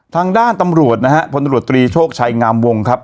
ทางด้านตำรวจนะฮะพลตำรวจตรีโชคชัยงามวงครับ